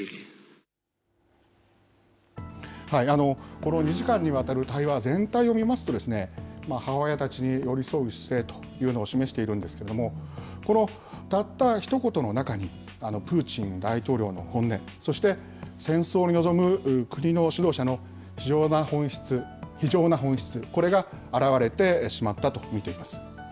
この２時間にわたる対話全体を見ますと、母親たちに寄り添う姿勢というのを示しているんですけれども、このたったひと言の中に、プーチン大統領の本音、そして、戦争に臨む国の指導者の非情な本質、これが表れてしまったと見ています。